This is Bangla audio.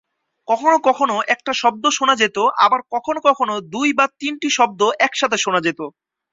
কখনও কখনও একটা শব্দ শোনা যেত, আবার কখনও দুই বা তিনটি শব্দ একসাথে শোনা যেত।